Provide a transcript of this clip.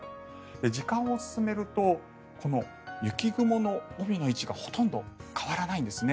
時間を進めるとこの雪雲の帯の位置がほとんど変わらないんですね。